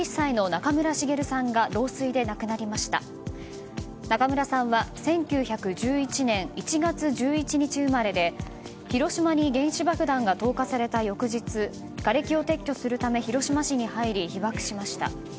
中村さんは１９９１年１月１１日生まれで広島に原子爆弾が投下された翌日がれきを撤去するため広島市に入り被ばくしました。